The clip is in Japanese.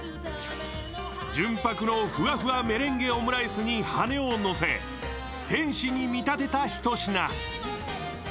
純白のふわふわメレンゲオムライスに羽根をのせ天使に見立てたひと品。